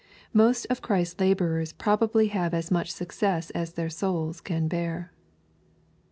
Most of Christ's laborers probably have as much success as their souls can bear.